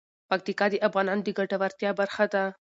پکتیکا د افغانانو د ګټورتیا برخه ده.